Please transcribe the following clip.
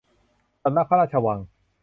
สำนักพระราชวัง